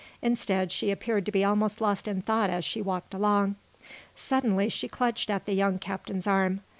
Instead, she appeared to be almost lost in thought as she walked along. Suddenly she clutched at the young captain's arm.